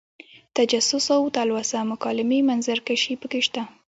تجسس او تلوسه مکالمې منظر کشۍ پکې شته.